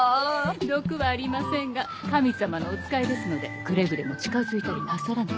毒はありませんが神様のお使いですのでくれぐれも近づいたりなさらぬよう。